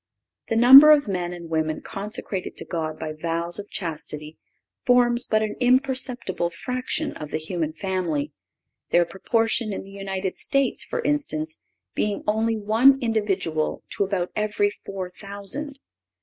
The number of men and women consecrated to God by vows of chastity forms but an imperceptible fraction of the human family, their proportion in the United States, for instance, being only one individual to about every four thousand.